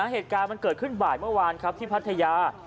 เหตุการณ์มันเกิดขึ้นบ่ายเมื่อวานครับที่พัทยา